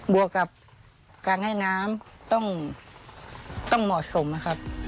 วกกับการให้น้ำต้องเหมาะสมนะครับ